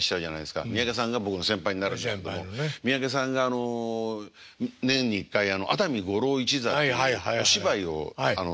三宅さんが僕の先輩になるんですけども三宅さんが年に一回「熱海五郎一座」っていうお芝居をやるんですよ。